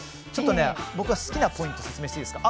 僕が好きなポイントを説明していいですか。